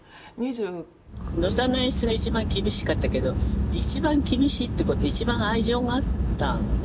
宇野さんの演出が一番厳しかったけど一番厳しいってことは一番愛情があったよね